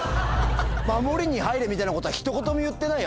「守りに入れ」みたいなことは一言も言ってないよ